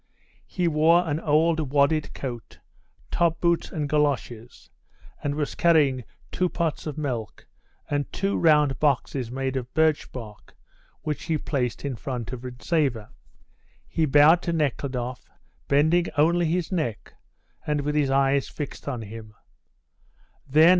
He wore an old wadded coat, top boots and goloshes, and was carrying two pots of milk and two round boxes made of birch bark, which he placed in front of Rintzeva. He bowed to Nekhludoff, bending only his neck, and with his eyes fixed on him.